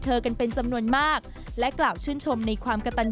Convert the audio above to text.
กันเป็นจำนวนมากและกล่าวชื่นชมในความกระตัน